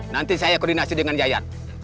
nanti saya koordinasi dengan yayan